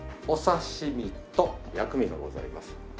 お刺し身と薬味がございます。